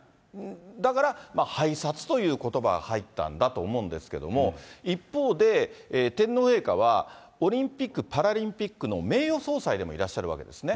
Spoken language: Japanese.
だから拝察ということばが入ったんだと思うんですけれども、一方で、天皇陛下はオリンピック・パラリンピックの名誉総裁でもいらっしゃるわけですね。